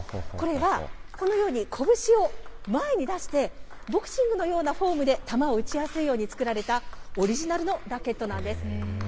これはこのように拳を前に出して、ボクシングのようなフォームで、球を打ちやすいように作られたオリジナルのラケットなんです。